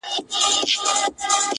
اخ پښتونه چي لښکر سوې نو دبل سوې,